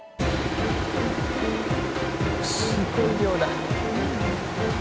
すごい量だ！